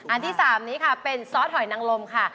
อันที่๓นี้ค่ะเป็นซอสหอยนังลมค่ะ